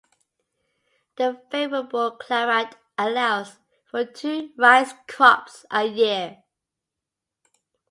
The favorable climate allows for two rice crops a year.